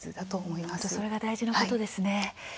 本当それが大事なことですね。